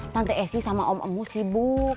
tante esy sama om emu sibuk